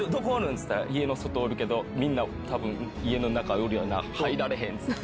っつったら「家の外おるけどみんな多分中おるよな入られへん」って。